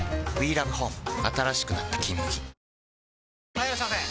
・はいいらっしゃいませ！